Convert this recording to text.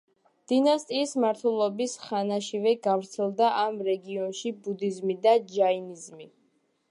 დინასტიის მმართველობის ხანაშივე გავრცელდა ამ რეგიონში ბუდიზმი და ჯაინიზმი.